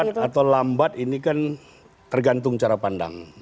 tidak atau lambat ini kan tergantung cara pandang